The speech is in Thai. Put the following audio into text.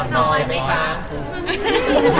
น้อยไหมคะ